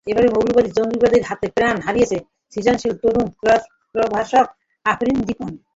একইভাবে মৌলবাদী জঙ্গিদের হাতে প্রাণ হারিয়েছেন সৃজনশীল তরুণ প্রকাশক আরেফিন দীপন।